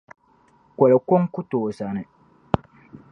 Koli’ kuŋ ku tooi zani.